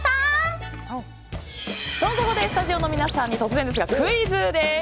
と、ここでスタジオの皆さんに突然ですがクイズです。